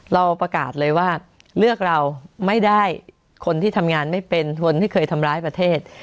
เราประกาศเลยว่าเลือกเราไม่ได้คนที่ทำงานไม่เป็นคนที่เคยทำร้ายประเทศ